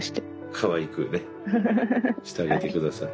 かわいくねしてあげて下さい。